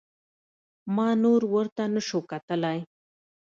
ما نور ورته نسو کتلاى.